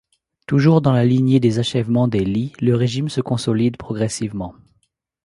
Toujours dans la lignée des achèvements des Lý, le régime se consolide progressivement.